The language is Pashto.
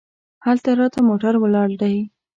هلته راته موټر ولاړ دی.